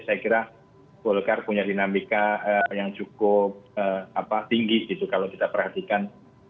saya kira golkar punya dinamika yang cukup tinggi gitu kalau kita perhatikan